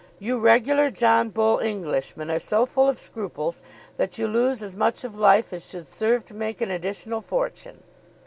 You regular John Bull Englishmen are so full of scruples that you lose as much of life as should serve to make an additional fortune."